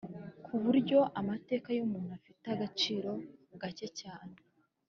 ku buryo amateka y’umuntu afite agaciro gake cyane.